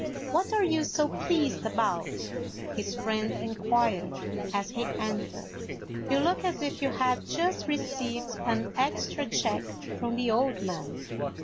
" What are you so pleased about ?" his friend inquired, as he entered; "you look as if you had just received an extra check from the old man."